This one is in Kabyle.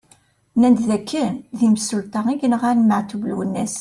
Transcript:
Nnan-d d akken d imsulta i yenɣan Maɛtub Lwennas.